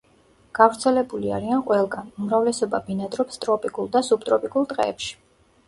გავრცელებული არიან ყველგან, უმრავლესობა ბინადრობს ტროპიკულ და სუბტროპიკულ ტყეებში.